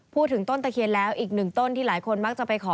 ต้นตะเคียนแล้วอีกหนึ่งต้นที่หลายคนมักจะไปขอ